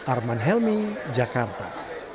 arman helmy jakarta